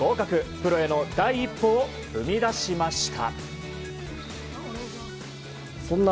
プロへの第一歩を踏み出しました。